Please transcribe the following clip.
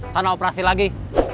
sana operasi lagi